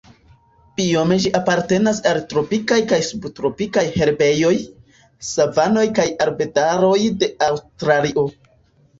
Biome ĝi apartenas al tropikaj kaj subtropikaj herbejoj, savanoj kaj arbedaroj de Aŭstralio.